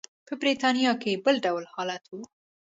په برېټانیا کې بل ډول حالت و.